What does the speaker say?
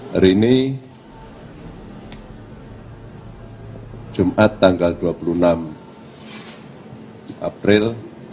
hari ini jumat tanggal dua puluh enam april dua ribu dua puluh